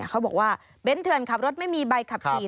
เขาบอกว่าเบ้นเถื่อนขับรถไม่มีใบขับขี่